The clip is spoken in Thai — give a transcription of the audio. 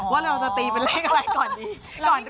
ว่าเราจะตีเป็นเลขอะไรก่อนดี